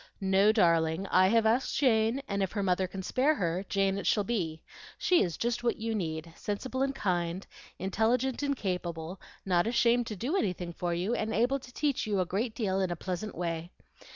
"No, darling, I have asked Jane, and if her mother can spare her, Jane it shall be. She is just what you need, sensible and kind, intelligent and capable; not ashamed to do anything for you, and able to teach you a great deal in a pleasant way.